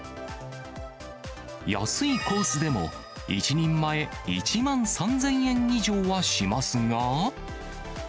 安いコースでも、１人前１万３０００円以上はしますが。